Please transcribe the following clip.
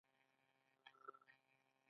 له صحافته حکومت ته لاره کول فساد دی.